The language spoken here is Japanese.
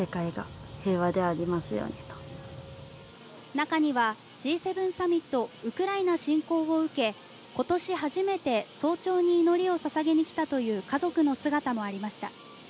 中にはＧ７サミットやウクライナ侵攻を受け今年初めて、早朝に祈りを捧げに来たという家族の姿もありました。